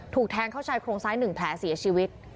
ถูกแทงเข้าชายโครงซ้าย๑แผลเสียชีวิต